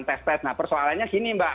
tes tes nah persoalannya gini mbak